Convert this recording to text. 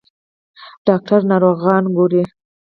ډاکټر ناروغان ګوري.